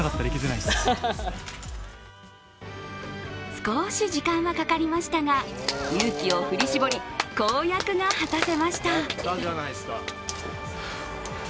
少し時間はかかりましたが、勇気を振り絞り公約が果たせました。